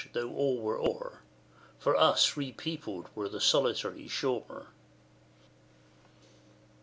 though all were o'er, For us repeopled were the solitary shore. V.